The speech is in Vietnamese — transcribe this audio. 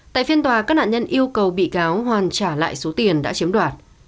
tại phiên tòa các nạn nhân yêu cầu bị cáo hoàn trả lại số tiền đã chiếm đoạt